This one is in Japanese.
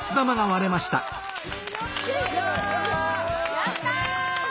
・やった！